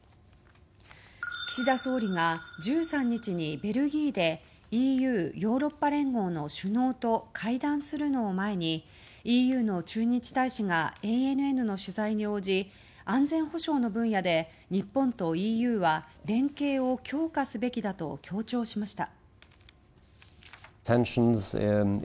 岸田総理が１３日にベルギーでＥＵ・ヨーロッパ連合の首脳と会談するのを前にＥＵの駐日大使がＡＮＮの取材に応じ安全保障の分野で日本とＥＵは連携を強化すべきだと強調しました。